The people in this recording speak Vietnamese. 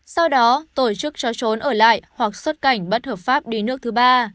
sau đó tổ chức cho trốn ở lại hoặc xuất cảnh bất hợp pháp đi nước thứ ba